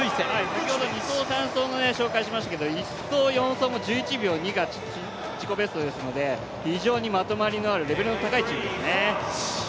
先ほど２走、３走を紹介しましたけど１走、４走も１１秒２が自己ベストですので、非常にまとまりのあるレベルの高いチームですね。